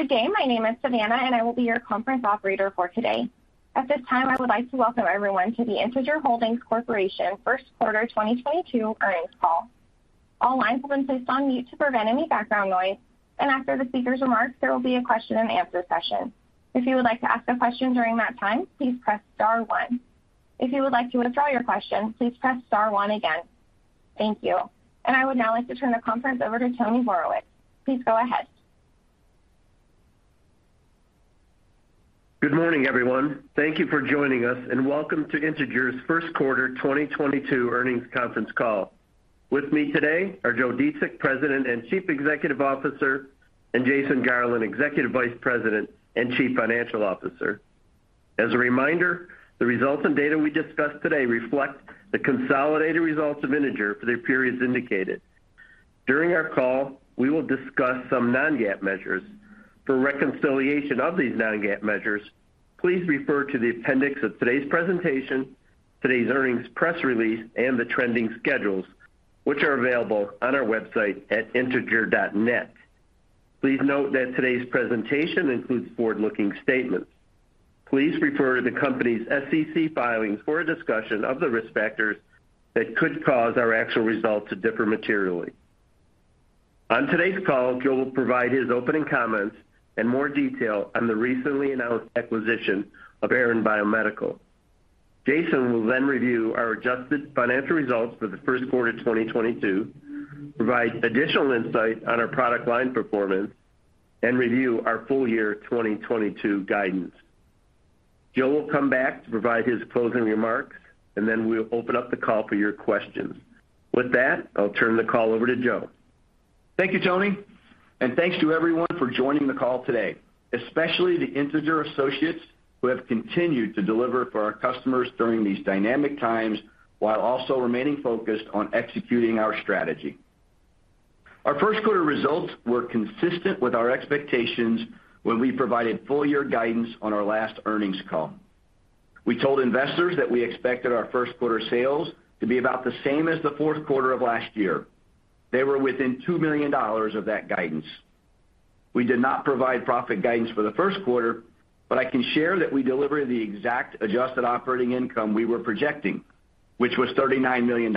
Good day. My name is Savannah, and I will be your conference operator for today. At this time, I would like to welcome everyone to the Integer Holdings Corporation First Quarter 2022 Earnings Call. All lines have been placed on mute to prevent any background noise, and after the speaker's remarks, there will be a question-and-answer session. If you would like to ask a question during that time, please press star one. If you would like to withdraw your question, please press star one again. Thank you. I would now like to turn the conference over to Anthony Borowicz. Please go ahead. Good morning, everyone. Thank you for joining us, and welcome to Integer's first 1/4 2022 earnings conference call. With me today are Joe Dziedzic, President and Chief Executive Officer, and Jason Garland, Executive Vice President and Chief Financial Officer. As a reminder, the results and data we discuss today reflect the consolidated results of Integer for the periods indicated. During our call, we will discuss some Non-GAAP measures. For reconciliation of these Non-GAAP measures, please refer to the appendix of today's presentation, today's earnings press release, and the trending schedules, which are available on our website at integer.net. Please note that today's presentation includes Forward-Looking statements. Please refer to the company's SEC filings for a discussion of the risk factors that could cause our actual results to differ materially. On today's call, Joe will provide his opening comments and more detail on the recently announced acquisition of Aran Biomedical. Jason will then review our adjusted financial results for the first 1/4 of 2022, provide additional insight on our product line performance, and review our full year 2022 guidance. Joe will come back to provide his closing remarks, and then we'll open up the call for your questions. With that, I'll turn the call over to Joe. Thank you, Tony, and thanks to everyone for joining the call today, especially the Integer associates who have continued to deliver for our customers during these dynamic times while also remaining focused on executing our strategy. Our first 1/4 results were consistent with our expectations when we provided full year guidance on our last earnings call. We told investors that we expected our first 1/4 sales to be about the same as the 4th 1/4 of last year. They were within $2 million of that guidance. We did not provide profit guidance for the first 1/4, but I can share that we delivered the exact adjusted operating income we were projecting, which was $39 million.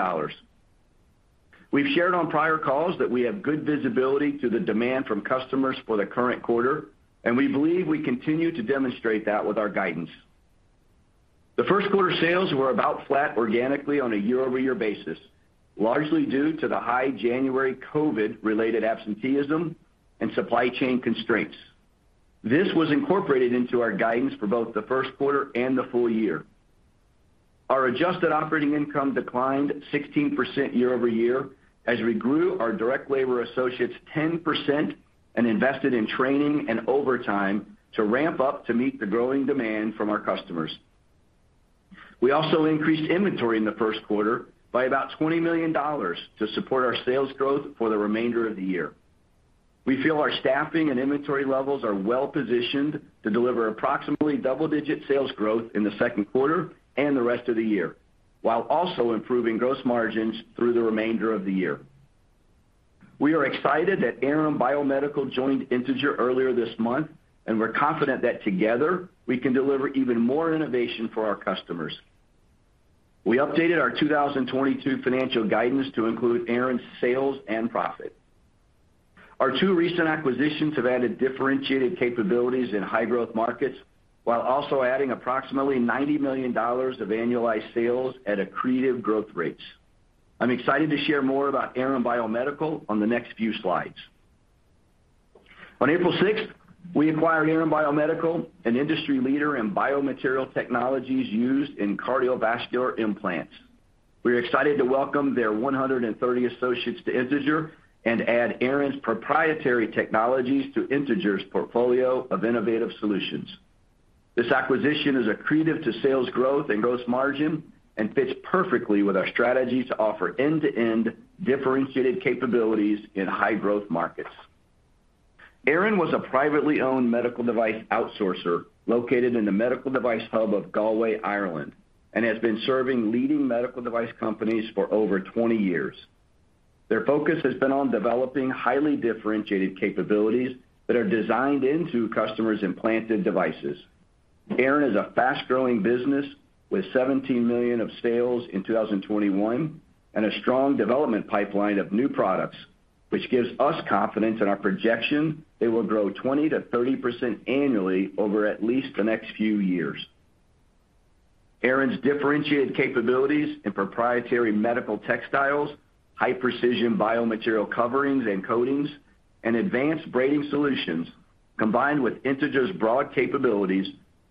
We've shared on prior calls that we have good visibility to the demand from customers for the current 1/4, and we believe we continue to demonstrate that with our guidance. The first 1/4 sales were about flat organically on a Year-Over-Year basis, largely due to the high January COVID-Related absenteeism and supply chain constraints. This was incorporated into our guidance for both the first 1/4 and the full year. Our adjusted operating income declined 16% Year-Over-Year as we grew our direct labor associates 10% and invested in training and overtime to ramp up to meet the growing demand from our customers. We also increased inventory in the first 1/4 by about $20 million to support our sales growth for the remainder of the year. We feel our staffing and inventory levels are well positioned to deliver approximately Double-Digit sales growth in the second 1/4 and the rest of the year, while also improving gross margins through the remainder of the year. We are excited that Aran Biomedical joined Integer earlier this month, and we're confident that together we can deliver even more innovation for our customers. We updated our 2022 financial guidance to include Aran's sales and profit. Our 2 recent acquisitions have added differentiated capabilities in High-Growth markets while also adding approximately $90 million of annualized sales at accretive growth rates. I'm excited to share more about Aran Biomedical on the next few slides. On April 6, we acquired Aran Biomedical, an industry leader in biomaterial technologies used in cardiovascular implants. We are excited to welcome their 130 associates to Integer and add Aran's proprietary technologies to Integer's portfolio of innovative solutions. This acquisition is accretive to sales growth and gross margin and fits perfectly with our strategy to offer end-to-end differentiated capabilities in High-Growth markets. Aran was a privately owned medical device outsourcer located in the medical device hub of Galway, Ireland, and has been serving leading medical device companies for over 20 years. Their focus has been on developing highly differentiated capabilities that are designed into customers' implanted devices. Aran is a Fast-Growing business with $17 million of sales in 2021 and a strong development pipeline of new products, which gives us confidence in our projection they will grow 20%-30% annually over at least the next few years. Aran's differentiated capabilities in proprietary medical textiles, high-precision biomaterial coverings and coatings, and advanced braiding solutions, combined with Integer's broad capabilities,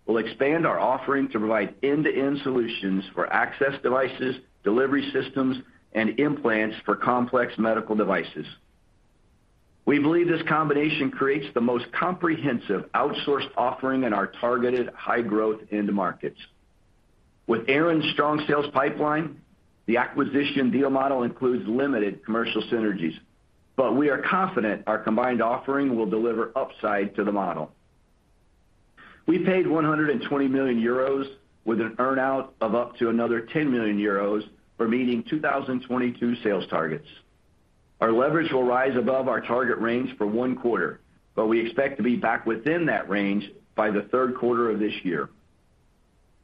will expand our offering to provide End-To-End solutions for access devices, delivery systems, and implants for complex medical devices. We believe this combination creates the most comprehensive outsourced offering in our targeted High-Growth end markets. With Aran's strong sales pipeline, the acquisition deal model includes limited commercial synergies, but we are confident our combined offering will deliver upside to the model. We paid 120 million euros with an earn-out of up to another 10 million euros for meeting 2022 sales targets. Our leverage will rise above our target range for one 1/4, but we expect to be back within that range by the 1/3 1/4 of this year.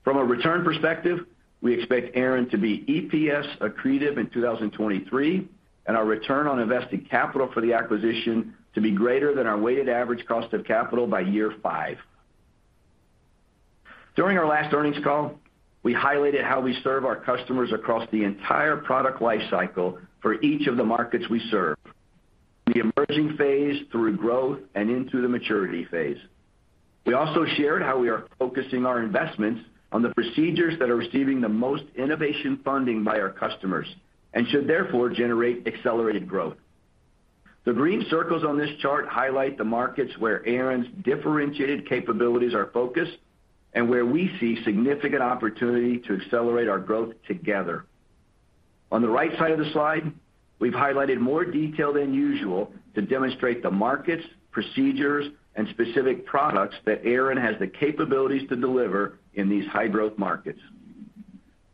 From a return perspective, we expect Aran to be EPS accretive in 2023, and our return on invested capital for the acquisition to be greater than our weighted average cost of capital by year 5. During our last earnings call, we highlighted how we serve our customers across the entire product life cycle for each of the markets we serve, the emerging phase through growth and into the maturity phase. We also shared how we are focusing our investments on the procedures that are receiving the most innovation funding by our customers and should therefore generate accelerated growth. The green circles on this chart highlight the markets where Aran's differentiated capabilities are focused and where we see significant opportunity to accelerate our growth together. On the right side of the slide, we've highlighted more detail than usual to demonstrate the markets, procedures, and specific products that Aran has the capabilities to deliver in these High-Growth markets.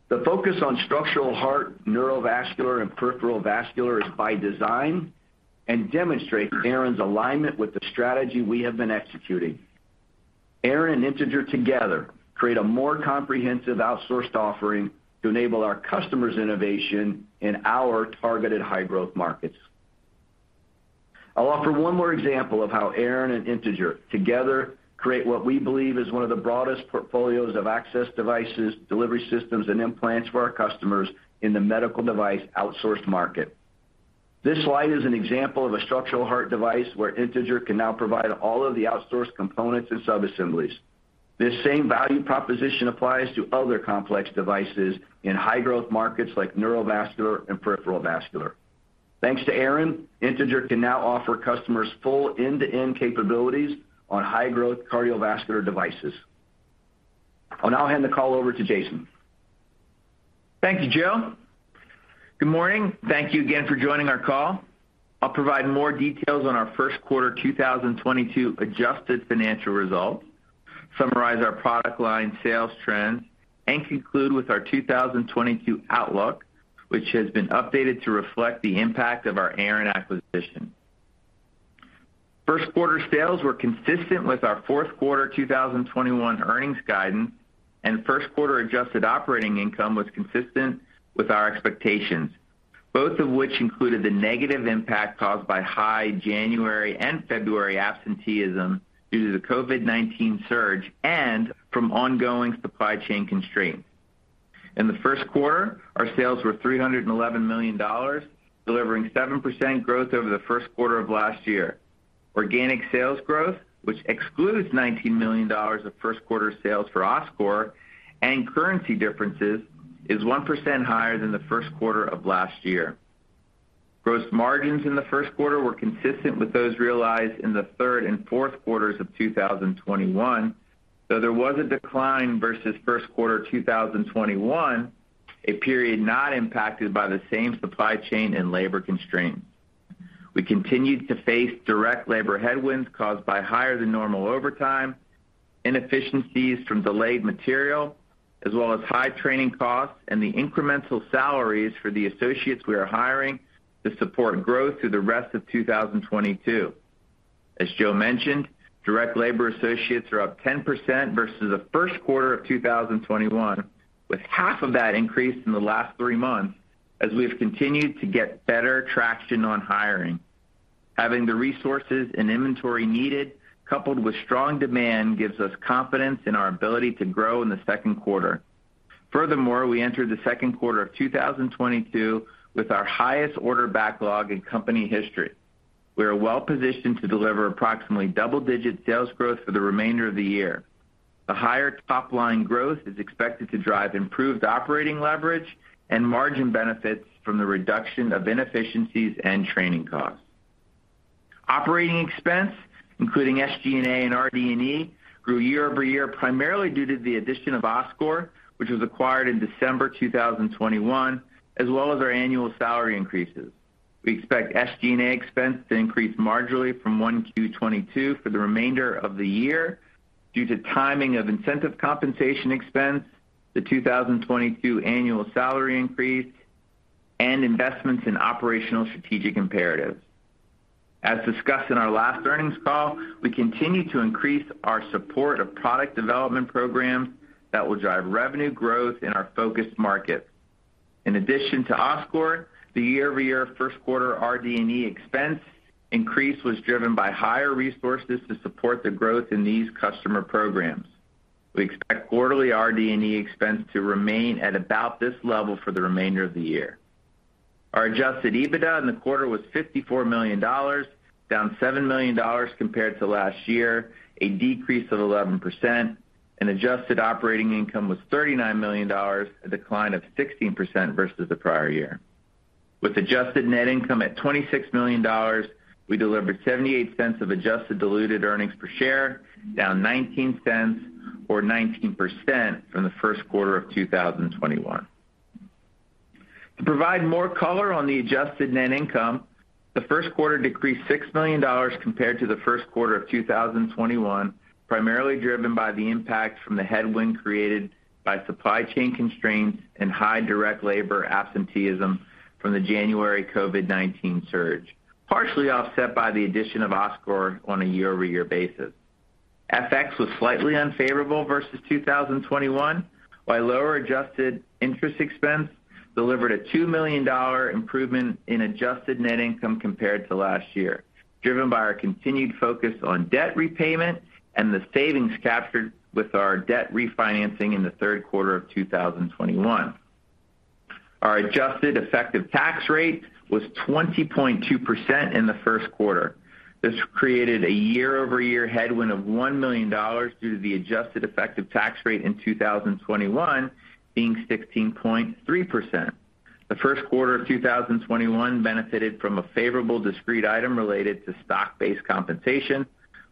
The focus on structural heart, neurovascular, and peripheral vascular is by design and demonstrates Aran's alignment with the strategy we have been executing. Aran and Integer together create a more comprehensive outsourced offering to enable our customers' innovation in our targeted High-Growth markets. I'll offer one more example of how Aran and Integer together create what we believe is one of the broadest portfolios of access devices, delivery systems, and implants for our customers in the medical device outsourced market. This slide is an example of a structural heart device where Integer can now provide all of the outsourced components and subassemblies. This same value proposition applies to other complex devices in High-Growth markets like neurovascular and peripheral vascular. Thanks to Aran, Integer can now offer customers full end-to-end capabilities on High-Growth cardiovascular devices. I'll now hand the call over to Jason. Thank you, Joe. Good morning. Thank you again for joining our call. I'll provide more details on our first 1/4 2022 adjusted financial results, summarize our product line sales trends, and conclude with our 2022 outlook, which has been updated to reflect the impact of our Aran acquisition. First 1/4 sales were consistent with our 4th 1/4 2021 earnings guidance, and first 1/4 adjusted operating income was consistent with our expectations, both of which included the negative impact caused by high January and February absenteeism due to the COVID-19 surge and from ongoing supply chain constraints. In the first 1/4, our sales were $311 million, delivering 7% growth over the first 1/4 of last year. Organic sales growth, which excludes $19 million of first 1/4 sales for Oscor and currency differences, is 1% higher than the first 1/4 of last year. Gross margins in the first 1/4 were consistent with those realized in the 1/3 and 4th quarters of 2021, though there was a decline versus first 1/4 2021, a period not impacted by the same supply chain and labor constraints. We continued to face direct labor headwinds caused by higher than normal overtime, inefficiencies from delayed material, as well as high training costs and the incremental salaries for the associates we are hiring to support growth through the rest of 2022. As Joe mentioned, direct labor associates are up 10% versus the first 1/4 of 2021, with 1/2 of that increase in the last 3 months as we have continued to get better traction on hiring. Having the resources and inventory needed coupled with strong demand gives us confidence in our ability to grow in the second 1/4. Furthermore, we entered the second 1/4 of 2022 with our highest order backlog in company history. We are well positioned to deliver approximately Double-Digit sales growth for the remainder of the year. The higher top-line growth is expected to drive improved operating leverage and margin benefits from the reduction of inefficiencies and training costs. Operating expense, including SG&A and RD&E, grew Year-Over-Year primarily due to the addition of Oscor, which was acquired in December 2021, as well as our annual salary increases. We expect SG&A expense to increase marginally from 1Q 2022 for the remainder of the year due to timing of incentive compensation expense, the 2022 annual salary increase, and investments in operational strategic imperatives As discussed in our last earnings call, we continue to increase our support of product development programs that will drive revenue growth in our focused markets. In addition to Oscor, the Year-Over-Year first 1/4 RD&E expense increase was driven by higher resources to support the growth in these customer programs. We expect 1/4ly RD&E expense to remain at about this level for the remainder of the year. Our adjusted EBITDA in the 1/4 was $54 million, down $7 million compared to last year, a decrease of 11%, and adjusted operating income was $39 million, a decline of 16% versus the prior year. With adjusted net income at $26 million, we delivered $0.78 of adjusted diluted earnings per share, down $0.19 or 19% from the first 1/4 of 2021. To provide more color on the adjusted net income, the first 1/4 decreased $6 million compared to the first 1/4 of 2021, primarily driven by the impact from the headwind created by supply chain constraints and high direct labor absenteeism from the January COVID-19 surge, partially offset by the addition of Oscor on a Year-Over-Year basis. FX was slightly unfavorable versus 2021, while lower adjusted interest expense delivered a $2 million improvement in adjusted net income compared to last year, driven by our continued focus on debt repayment and the savings captured with our debt refinancing in the 1/3 1/4 of 2021. Our adjusted effective tax rate was 20.2% in the first 1/4. This created a Year-Over-Year headwind of $1 million due to the adjusted effective tax rate in 2021 being 16.3%. The first 1/4 of 2021 benefited from a favorable discrete item related to stock-based compensation,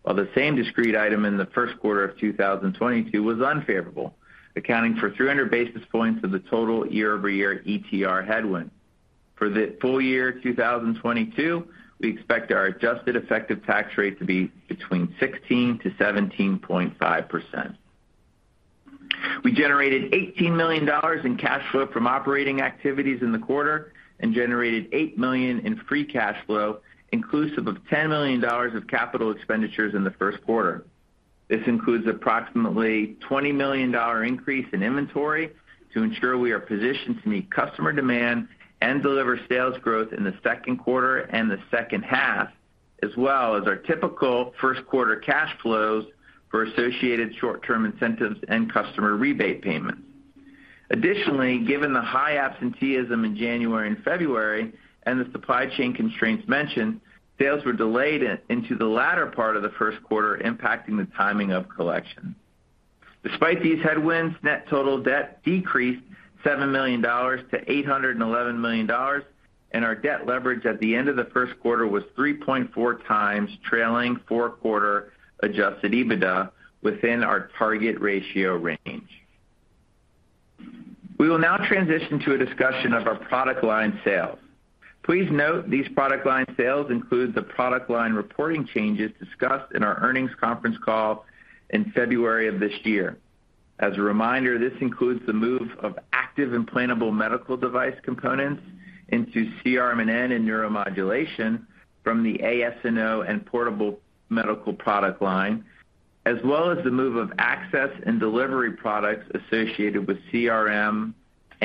while the same discrete item in the first 1/4 of 2022 was unfavorable, accounting for 300 basis points of the total Year-Over-Year ETR headwind. For the full year 2022, we expect our adjusted effective tax rate to be 16%-17.5%. We generated $18 million in cash flow from operating activities in the 1/4 and generated $8 million in free cash flow, inclusive of $10 million of capital expenditures in the first 1/4. This includes approximately $20 million increase in inventory to ensure we are positioned to meet customer demand and deliver sales growth in the second 1/4 and the second 1/2, as well as our typical first 1/4 cash flows for associated short-term incentives and customer rebate payments. Additionally, given the high absenteeism in January and February and the supply chain constraints mentioned, sales were delayed into the latter part of the first 1/4, impacting the timing of collection. Despite these headwinds, net total debt decreased $7 million to $811 million, and our debt leverage at the end of the first 1/4 was 3.4 times trailing 4-1/4 adjusted EBITDA within our target ratio range. We will now transition to a discussion of our product line sales. Please note these product line sales include the product line reporting changes discussed in our earnings conference call in February of this year. As a reminder, this includes the move of active implantable medical device components into CRM&N from the AS&O and portable medical product line, as well as the move of access and delivery products associated with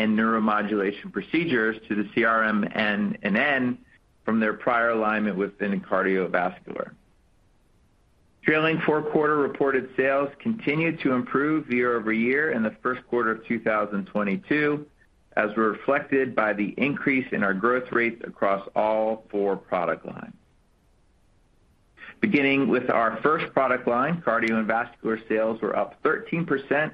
CRM&N procedures to the CRM&N from their prior alignment within cardiovascular. Trailing 4-1/4 reported sales continued to improve Year-Over-Year in the first 1/4 of 2022, as reflected by the increase in our growth rates across all 4 product lines. Beginning with our first product line, cardiovascular sales were up 13%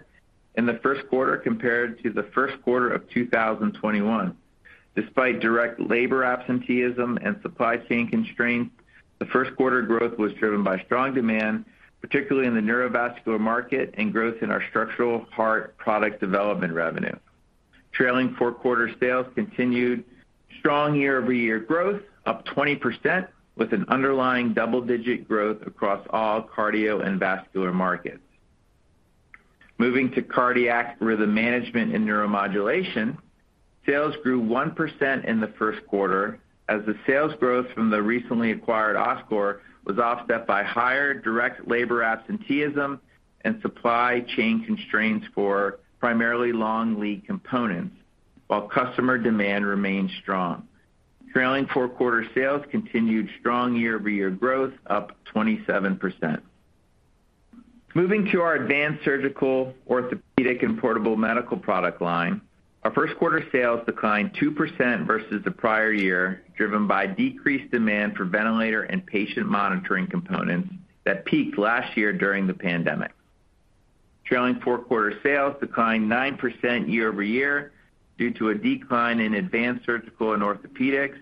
in the first 1/4 compared to the first 1/4 of 2021. Despite direct labor absenteeism and supply chain constraints, the first 1/4 growth was driven by strong demand, particularly in the neurovascular market and growth in our structural heart product development revenue. Trailing 4-1/4 sales continued strong Year-Over-Year growth, up 20%, with an underlying Double-Digit growth across all cardio and vascular markets. Moving to cardiac rhythm management and neuromodulation, sales grew 1% in the first 1/4 as the sales growth from the recently acquired Oscor was offset by higher direct labor absenteeism and supply chain constraints for primarily long lead components, while customer demand remained strong. Trailing 4-1/4 sales continued strong Year-Over-Year growth, up 27%. Moving to our Advanced Surgical, Orthopedics, and Portable Medical product line, our first 1/4 sales declined 2% versus the prior year, driven by decreased demand for ventilator and patient monitoring components that peaked last year during the pandemic. Trailing 4-1/4 sales declined 9% Year-Over-Year due to a decline in Advanced Surgical & Orthopedics,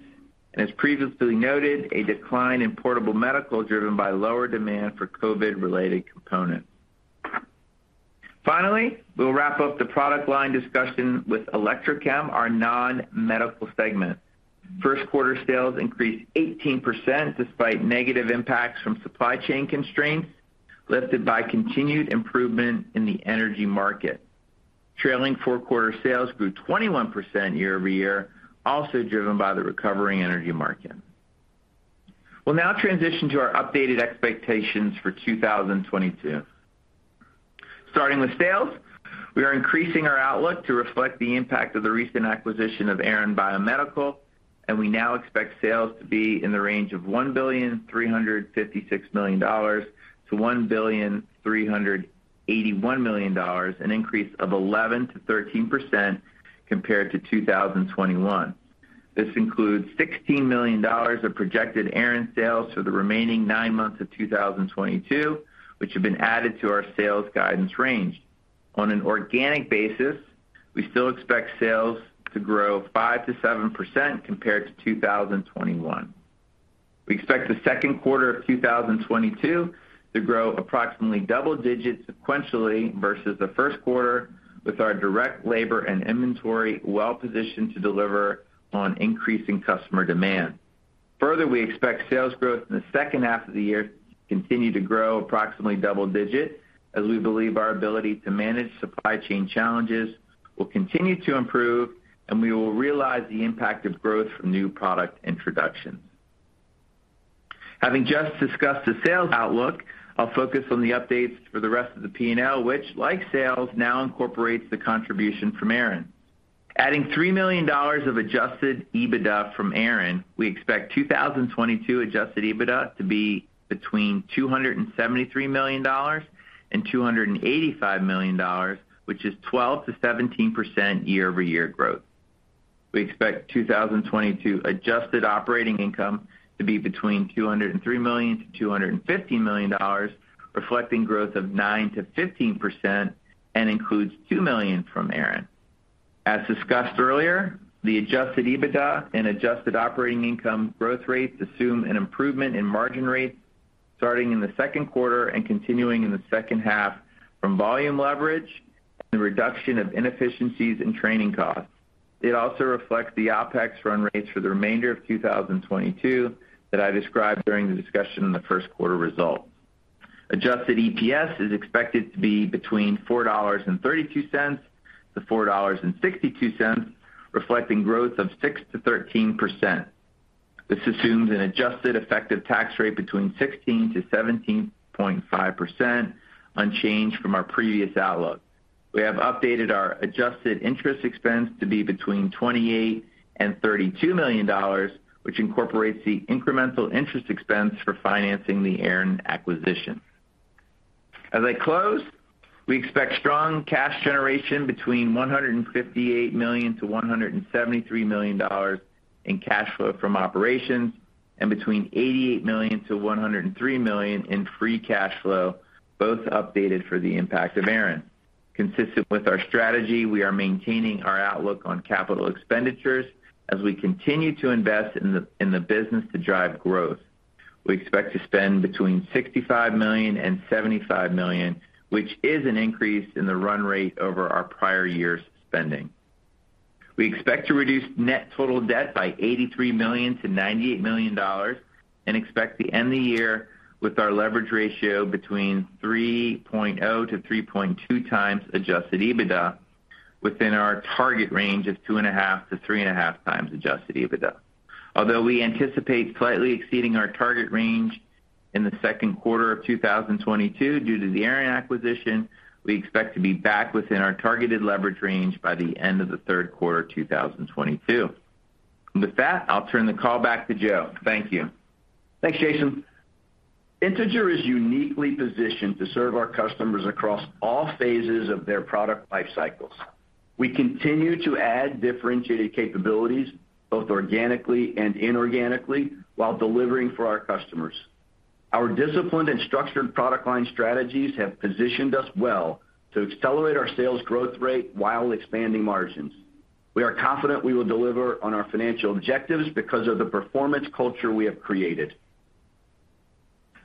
and as previously noted, a decline in Portable Medical driven by lower demand for COVID-19-related components. Finally, we'll wrap up the product line discussion with Electrochem, our Non-medical segment. First-1/4 sales increased 18% despite negative impacts from supply chain constraints, lifted by continued improvement in the energy market. Trailing 4-1/4 sales grew 21% Year-Over-Year, also driven by the recovering energy market. We'll now transition to our updated expectations for 2022. Starting with sales, we are increasing our outlook to reflect the impact of the recent acquisition of Aran Biomedical, and we now expect sales to be in the range of $1.356 billion-$1.381 billion, an increase of 11%-13% compared to 2021. This includes $16 million of projected Aran sales for the remaining 9 months of 2022, which have been added to our sales guidance range. On an organic basis, we still expect sales to grow 5%-7% compared to 2021. We expect the second 1/4 of 2022 to grow approximately double digits sequentially versus the first 1/4, with our direct labor and inventory well positioned to deliver on increasing customer demand. Further, we expect sales growth in the second 1/2 of the year to continue to grow approximately Double-Digit as we believe our ability to manage supply chain challenges will continue to improve, and we will realize the impact of growth from new product introductions. Having just discussed the sales outlook, I'll focus on the updates for the rest of the P&L, which, like sales, now incorporates the contribution from Aran. Adding $3 million of adjusted EBITDA from Aran, we expect 2022 adjusted EBITDA to be between $273 million and $285 million, which is 12%-17% Year-Over-Year growth. We expect 2022 adjusted operating income to be between $203 million-$250 million, reflecting growth of 9%-15% and includes $2 million from Aran. As discussed earlier, the adjusted EBITDA and adjusted operating income growth rates assume an improvement in margin rates starting in the second 1/4 and continuing in the second 1/2 from volume leverage and the reduction of inefficiencies in training costs. It also reflects the OpEx run rates for the remainder of 2022 that I described during the discussion in the first 1/4 results. Adjusted EPS is expected to be between $4.32 and $4.62, reflecting growth of 6%-13%. This assumes an adjusted effective tax rate between 16%-17.5%, unchanged from our previous outlook. We have updated our adjusted interest expense to be between $28 million-$32 million, which incorporates the incremental interest expense for financing the Aran acquisition. As I close, we expect strong cash generation between $158-$173 million in cash flow from operations, and between $88-$103 million in free cash flow, both updated for the impact of Aran. Consistent with our strategy, we are maintaining our outlook on capital expenditures as we continue to invest in the business to drive growth. We expect to spend between $65-$75 million, which is an increase in the run rate over our prior year's spending. We expect to reduce net total debt by $83-$98 million and expect to end the year with our leverage ratio between 3.0-3.2 times adjusted EBITDA within our target range of 2.5-3.5 times adjusted EBITDA. Although we anticipate slightly exceeding our target range in the second 1/4 of 2022 due to the Aran acquisition, we expect to be back within our targeted leverage range by the end of the 1/3 1/4 2022. With that, I'll turn the call back to Joe. Thank you. Thanks, Jason. Integer is uniquely positioned to serve our customers across all phases of their product life cycles. We continue to add differentiated capabilities both organically and inorganically while delivering for our customers. Our disciplined and structured product line strategies have positioned us well to accelerate our sales growth rate while expanding margins. We are confident we will deliver on our financial objectives because of the performance culture we have created.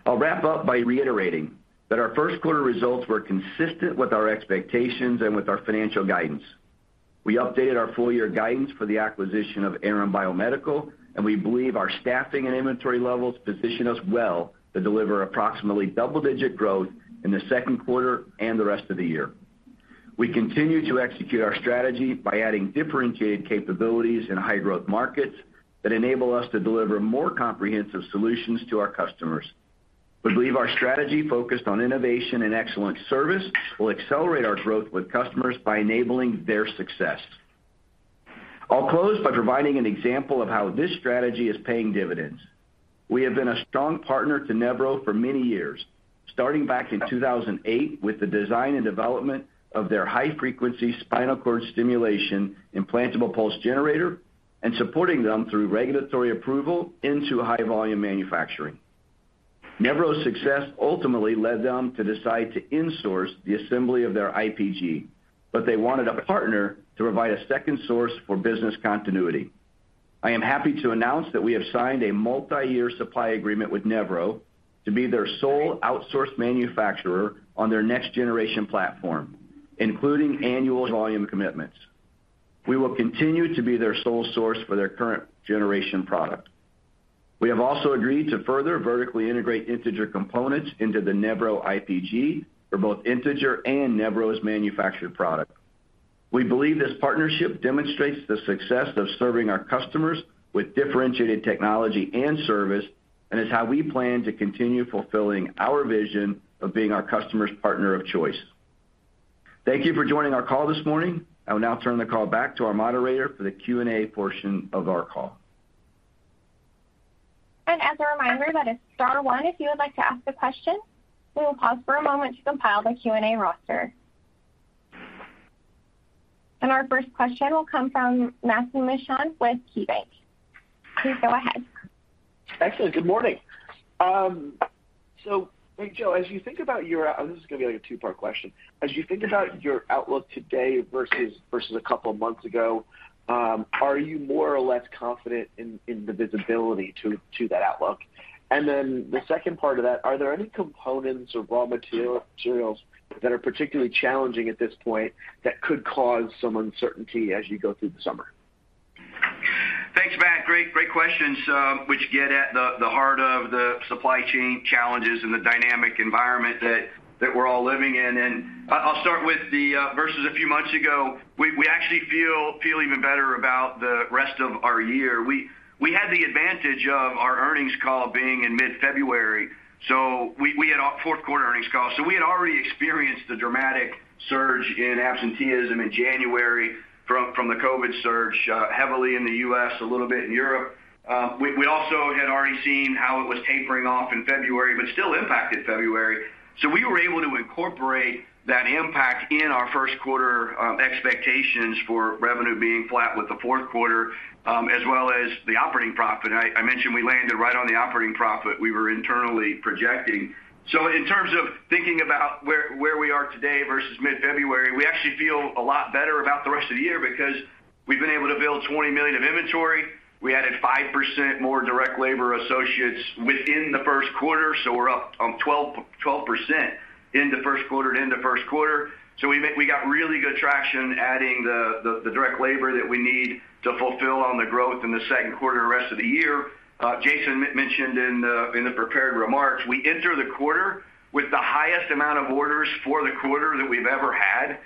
I'll wrap up by reiterating that our first 1/4 results were consistent with our expectations and with our financial guidance. We updated our full year guidance for the acquisition of Aran Biomedical, and we believe our staffing and inventory levels position us well to deliver approximately Double-Digit growth in the second 1/4 and the rest of the year. We continue to execute our strategy by adding differentiated capabilities in high growth markets that enable us to deliver more comprehensive solutions to our customers. We believe our strategy focused on innovation and excellent service will accelerate our growth with customers by enabling their success. I'll close by providing an example of how this strategy is paying dividends. We have been a strong partner to Nevro for many years, starting back in 2008 with the design and development of their high-frequency spinal cord stimulation implantable pulse generator and supporting them through regulatory approval into high volume manufacturing. Nevro's success ultimately led them to decide to insource the assembly of their IPG, but they wanted a partner to provide a second source for business continuity. I am happy to announce that we have signed a multiyear supply agreement with Nevro to be their sole outsourced manufacturer on their next generation platform, including annual volume commitments. We will continue to be their sole source for their current generation product. We have also agreed to further vertically integrate Integer components into the Nevro IPG for both Integer and Nevro's manufactured product. We believe this partnership demonstrates the success of serving our customers with differentiated technology and service, and is how we plan to continue fulfilling our vision of being our customer's partner of choice. Thank you for joining our call this morning. I will now turn the call back to our moderator for the Q&A portion of our call. As a reminder, that is star one if you would like to ask a question. We will pause for a moment to compile the Q&A roster. Our first question will come from Matthew Mishan with KeyBanc Capital Markets. Please go ahead. Excellent. Good morning. Joe, this is gonna be like a 2-part question. As you think about your outlook today versus a couple of months ago, are you more or less confident in the visibility to that outlook? Then the second part of that, are there any components of raw materials that are particularly challenging at this point that could cause some uncertainty as you go through the summer? Thanks, Matthew. Great questions, which get at the heart of the supply chain challenges and the dynamic environment that we're all living in. I'll start with the versus a few months ago. We actually feel even better about the rest of our year. We had the advantage of our earnings call being in mid-February, so we had our 4th 1/4 earnings call. We had already experienced the dramatic surge in absenteeism in January from the COVID-19 surge, heavily in the U.S., a little bit in Europe. We also had already seen how it was tapering off in February, but still impacted February. We were able to incorporate that impact in our first 1/4 expectations for revenue being flat with the 4th 1/4, as well as the operating profit. I mentioned we landed right on the operating profit we were internally projecting. In terms of thinking about where we are today versus mid-February, we actually feel a lot better about the rest of the year because we've been able to build $20 million of inventory. We added 5% more direct labor associates within the first 1/4, so we're up 12% into first 1/4. We got really good traction adding the direct labor that we need to fulfill on the growth in the second 1/4, the rest of the year. Jason mentioned in the prepared remarks, we enter the 1/4 with the highest amount of orders for the 1/4 that we've ever had.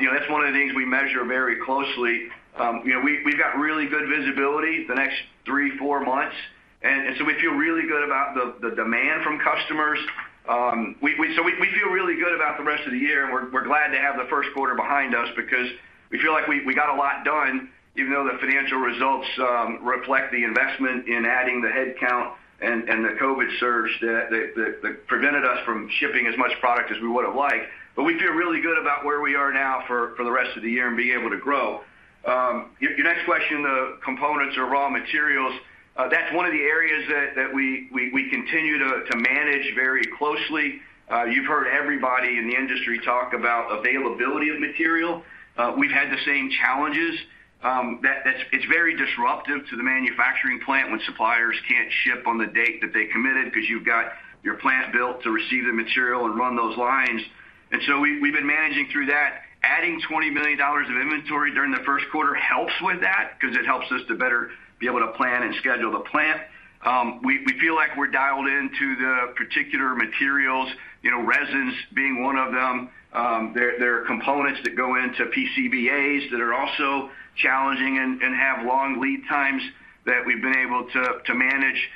You know, that's one of the things we measure very closely. You know, we've got really good visibility the next 3-4 months, and so we feel really good about the demand from customers. We feel really good about the rest of the year, and we're glad to have the first 1/4 behind us because we feel like we got a lot done, even though the financial results reflect the investment in adding the headcount and the COVID surge that prevented us from shipping as much product as we would have liked. We feel really good about where we are now for the rest of the year and being able to grow. Your next question, the components or raw materials, that's one of the areas that we continue to manage very closely. You've heard everybody in the industry talk about availability of material. We've had the same challenges, that's it's very disruptive to the manufacturing plant when suppliers can't ship on the date that they committed because you've got your plant built to receive the material and run those lines. We've been managing through that. Adding $20 million of inventory during the first 1/4 helps with that because it helps us to better be able to plan and schedule the plant. We feel like we're dialed into the particular materials, you know, resins being one of them. There are components that go into PCBAs that are also challenging and have long lead times that we've been able to manage.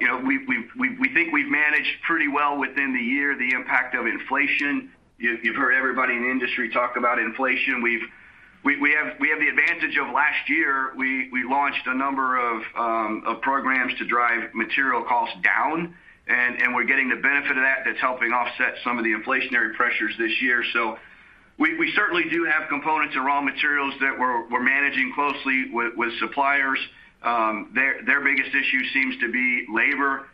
You know, we think we've managed pretty well within the year the impact of inflation. You've heard everybody in the industry talk about inflation. We have the advantage of last year. We launched a number of programs to drive material costs down, and we're getting the benefit of that. That's helping offset some of the inflationary pressures this year. We certainly do have components and raw materials that we're managing closely with suppliers. Their biggest issue seems to be labor,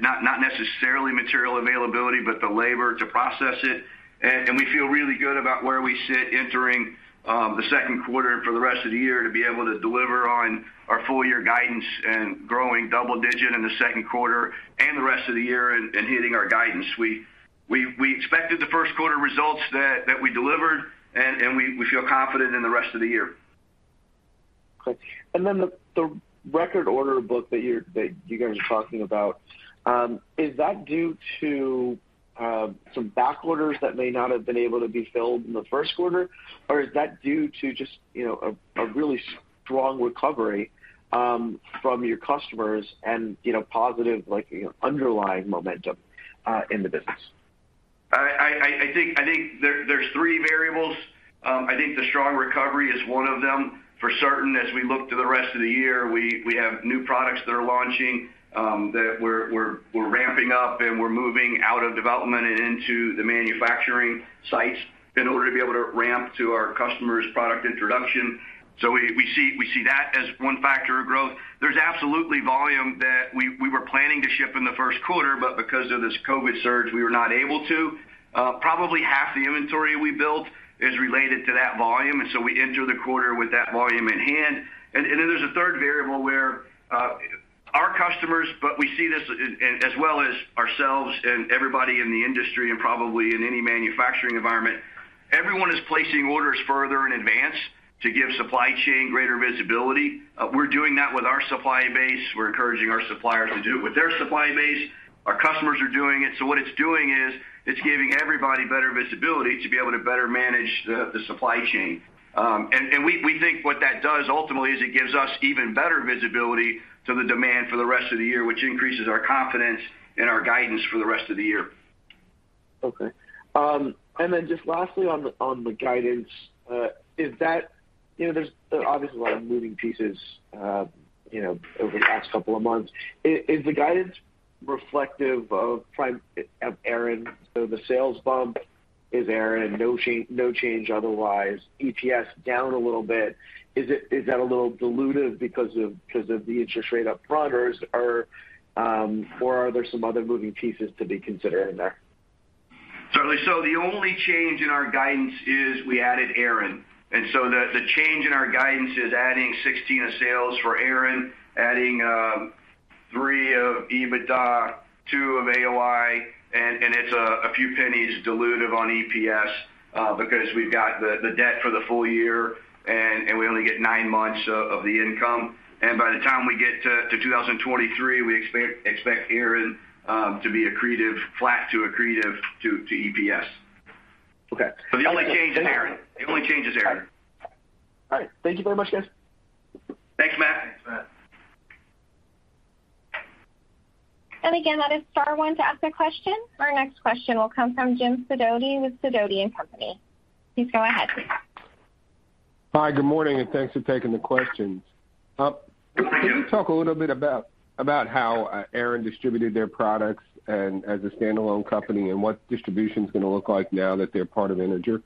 not necessarily material availability, but the labor to process it. We feel really good about where we sit entering the second 1/4 and for the rest of the year to be able to deliver on our full year guidance and growing double digit in the second 1/4 and the rest of the year and hitting our guidance. We expected the first 1/4 results that we delivered and we feel confident in the rest of the year. Okay. The record order book that you guys are talking about, is that due to some back orders that may not have been able to be filled in the first 1/4? Or is that due to just, you know, a really strong recovery from your customers and, you know, positive, like, you know, underlying momentum in the business? I think there's 3 variables. I think the strong recovery is one of them for certain. As we look to the rest of the year, we have new products that are launching that we're ramping up, and we're moving out of development and into the manufacturing sites in order to be able to ramp to our customers' product introduction. We see that as one factor of growth. There's absolutely volume that we were planning to ship in the first 1/4, but because of this COVID surge, we were not able to. Probably 1/2 the inventory we built is related to that volume, and so we enter the 1/4 with that volume in hand. Then there's a 1/3 variable where our customers, but we see this as well as ourselves and everybody in the industry and probably in any manufacturing environment. Everyone is placing orders further in advance to give supply chain greater visibility. We're doing that with our supply base. We're encouraging our suppliers to do it with their supply base. Our customers are doing it. What it's doing is it's giving everybody better visibility to be able to better manage the supply chain. We think what that does ultimately is it gives us even better visibility to the demand for the rest of the year, which increases our confidence and our guidance for the rest of the year. Okay. Just lastly on the guidance, you know, over the past couple of months. Is the guidance reflective of Aran, the sales bump? Is Aran no change otherwise, EPS down a little bit. Is that a little dilutive because of the interest rate up front or are there some other moving pieces to be considered in there? Certainly. The only change in our guidance is we added Aran. The change in our guidance is adding $16 million of sales for Aran, adding $3 million of EBITDA, $2 million of AOI, and it's a few pennies dilutive on EPS because we've got the debt for the full year and we only get 9 months of the income. By the time we get to 2023, we expect Aran to be accretive, flat to accretive to EPS. Okay. The only change is Aran. All right. Thank you very much, guys. Thanks, Matthew. Thanks, Matthew. Again, that is star one to ask a question. Our next question will come from Jim Sidoti with Sidoti & Company. Please go ahead. Hi, good morning, and thanks for taking the questions. Yes. Can you talk a little bit about how Aran distributed their products and as a standalone company, and what distribution's gonna look like now that they're part of Integer?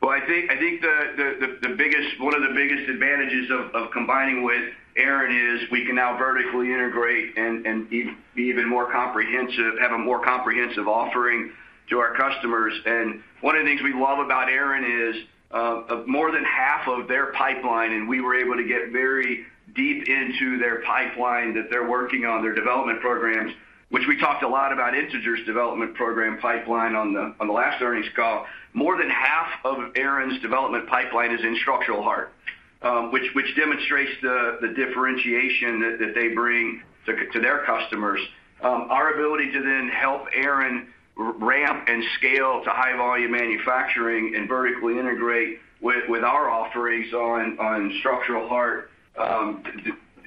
Well, I think one of the biggest advantages of combining with Aran is we can now vertically integrate and be even more comprehensive, have a more comprehensive offering to our customers. One of the things we love about Aran is more than 1/2 of their pipeline, and we were able to get very deep into their pipeline that they're working on, their development programs, which we talked a lot about Integer's development program pipeline on the last earnings call. More than 1/2 of Aran's development pipeline is in structural heart, which demonstrates the differentiation that they bring to their customers. Our ability to then help Aran ramp and scale to high volume manufacturing and vertically integrate with our offerings on structural heart,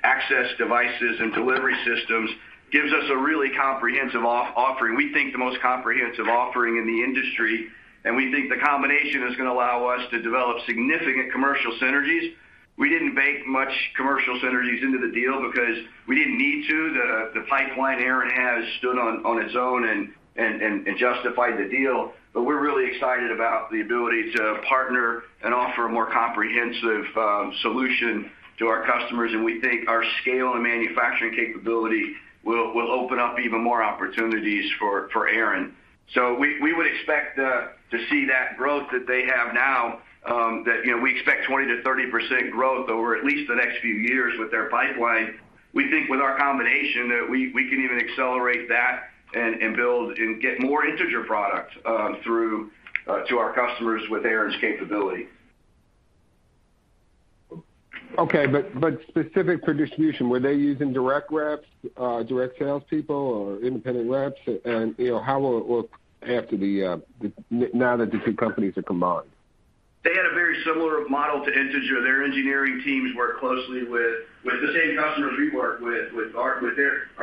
access devices and delivery systems gives us a really comprehensive offering, we think the most comprehensive offering in the industry. We think the combination is gonna allow us to develop significant commercial synergies. We didn't bake much commercial synergies into the deal because we didn't need to. The pipeline Aran has stood on its own and justified the deal. We're really excited about the ability to partner and offer a more comprehensive solution to our customers. We think our scale and manufacturing capability will open up even more opportunities for Aran. We would expect to see that growth that they have now, that, you know, we expect 20%-30% growth over at least the next few years with their pipeline. We think with our combination that we can even accelerate that and build and get more Integer products through to our customers with Aran's capability. Okay. Specific for distribution, were they using direct reps, direct salespeople or independent reps? You know, how will it look now that the 2 companies are combined? They had a very similar model to Integer. Their engineering teams work closely with the same customers we work with our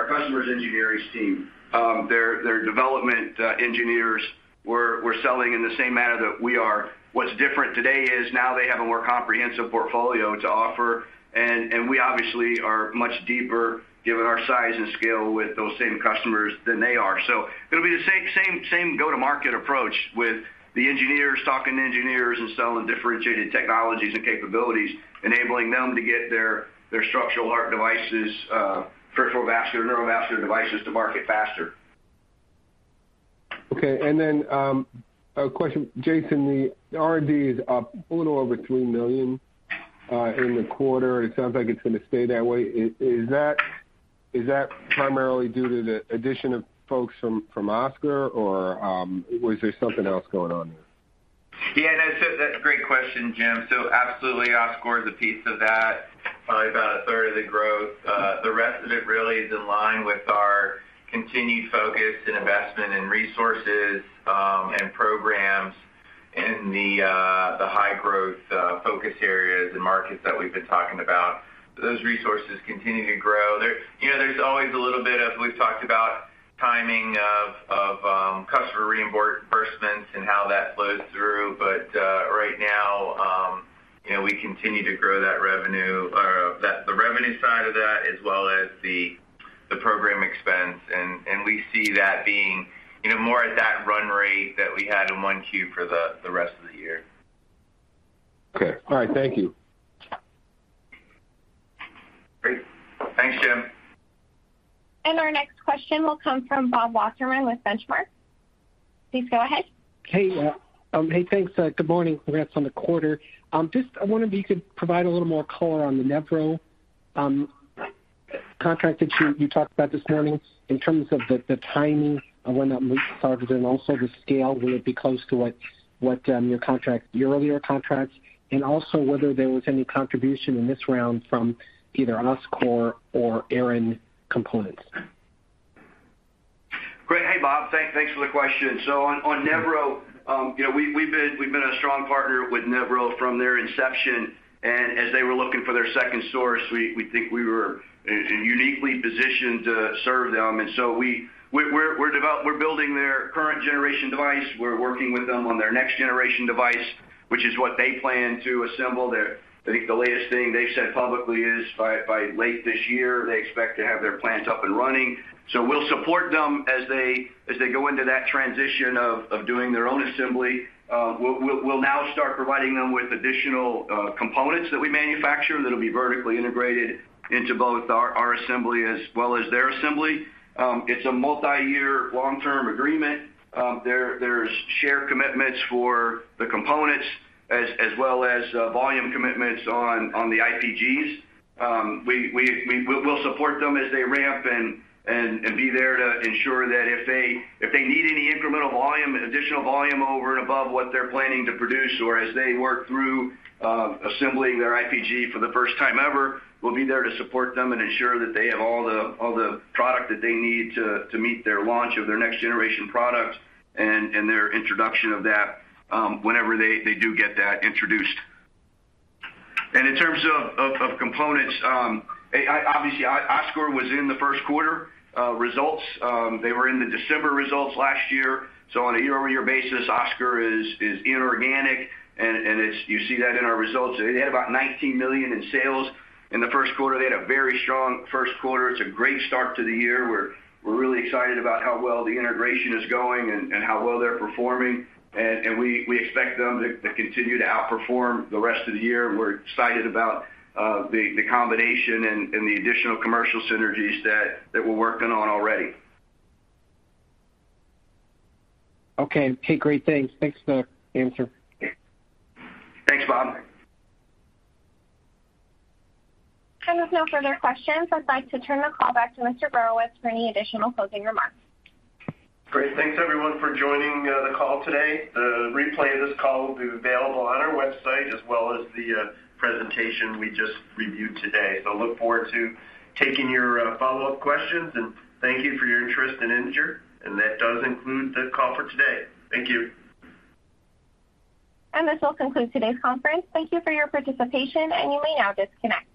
customer's engineering team. Their development engineers were selling in the same manner that we are. What's different today is now they have a more comprehensive portfolio to offer, and we obviously are much deeper given our size and scale with those same customers than they are. It'll be the same go-to-market approach with the engineers talking to engineers and selling differentiated technologies and capabilities, enabling them to get their structural heart devices, peripheral vascular, neurovascular devices to market faster. Okay. A question, Jason, the R&D is up a little over $3 million in the 1/4. It sounds like it's gonna stay that way. Is that primarily due to the addition of folks from Oscor or was there something else going on there? Yeah, that's a great question, Jim. Absolutely Oscor is a piece of that, probably about a 1/3 of the growth. The rest of it really is in line with our continued focus and investment in resources and programs in the high growth focus areas and markets that we've been talking about. Those resources continue to grow. You know, there's always a little bit of. We've talked about timing of customer reimbursements and how that flows through. But right now, you know, we continue to grow that revenue side of that as well as the program expense. And we see that being, you know, more at that run rate that we had in 1Q for the rest of the year. Okay. All right. Thank you. Great. Thanks, Jim. Our next question will come from Robert Wasserman with Benchmark. Please go ahead. Hey, hey, thanks. Good morning. Congrats on the 1/4. Just I wonder if you could provide a little more color on the Nevro contract that you talked about this morning in terms of the timing of when that was started and also the scale. Will it be close to what your earlier contracts, and also whether there was any contribution in this round from either Oscor or Aran components? Thanks for the question. On Nevro, you know, we've been a strong partner with Nevro from their inception, and as they were looking for their second source, we think we were uniquely positioned to serve them. We're building their current generation device. We're working with them on their next generation device, which is what they plan to assemble. I think the latest thing they've said publicly is by late this year, they expect to have their plant up and running. We'll support them as they go into that transition of doing their own assembly. We'll now start providing them with additional components that we manufacture that'll be vertically integrated into both our assembly as well as their assembly. It's a multiyear long-term agreement. There's shared commitments for the components as well as volume commitments on the IPGs. We'll support them as they ramp and be there to ensure that if they need any incremental volume, additional volume over and above what they're planning to produce or as they work through assembling their IPG for the first time ever, we'll be there to support them and ensure that they have all the product that they need to meet their launch of their next generation product and their introduction of that, whenever they do get that introduced. In terms of components, obviously, Oscor was in the first 1/4 results. They were in the December results last year. On a Year-Over-Year basis, Oscor is inorganic, and it's you see that in our results. It had about $19 million in sales in the first 1/4. They had a very strong first 1/4. It's a great start to the year. We're really excited about how well the integration is going and how well they're performing. We expect them to continue to outperform the rest of the year. We're excited about the combination and the additional commercial synergies that we're working on already. Okay, great. Thanks for the answer. Thanks, Robert. With no further questions, I'd like to turn the call back to Mr. Borowicz for any additional closing remarks. Great. Thanks everyone for joining the call today. The replay of this call will be available on our website as well as the presentation we just reviewed today. So look forward to taking your Follow-Up questions, and thank you for your interest in Integer. That does include the call for today. Thank you. This will conclude today's conference. Thank you for your participation, and you may now disconnect.